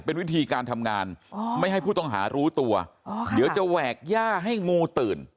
เป็นวิธีการทำงานไม่ให้ผู้ต้องหารู้ตัวเดี๋ยวจะแหวกย่าให้งูตื่น